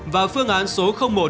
và phương án số một